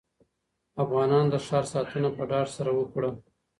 افغانانو د ښار ساتنه په ډاډ سره وکړه.